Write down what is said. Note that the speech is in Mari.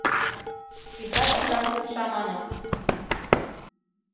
— Изватшудат полша, маныт.